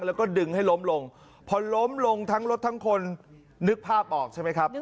แล้วก็ดึงให้ล้มลงพอล้มลงทั้งรถทั้งคนนึกภาพออกใช่ไหมครับ